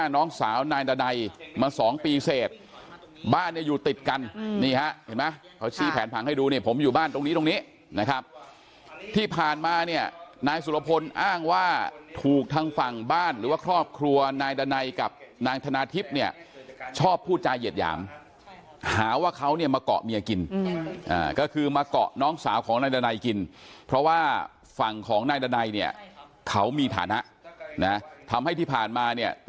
น้องสาวนายดันไนมาสองปีเศษบ้านอยู่ติดกันนี่ฮะเห็นไหมเขาชี้แผนผังให้ดูเนี่ยผมอยู่บ้านตรงนี้ตรงนี้นะครับที่ผ่านมาเนี่ยนายสุรพลอ้างว่าถูกทางฝั่งบ้านหรือว่าครอบครัวนายดันไนกับนางธนาทิพย์เนี่ยชอบพูดจาเหยียดหยามหาว่าเขาเนี่ยมาเกาะเมียกินก็คือมาเกาะน้องสาวของนายดันไนกินเพ